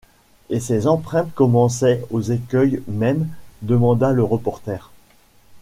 Et ces empreintes commençaient aux écueils même ? demanda le reporter